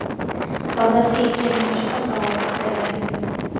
Бабасы еккен ағашқа баласы саялайды.